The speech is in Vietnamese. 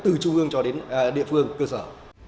từ trung ương cho đến địa phương cơ sở